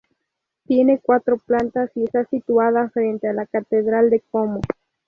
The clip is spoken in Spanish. Tiene cuatro plantas y está situada frente a la catedral de Como.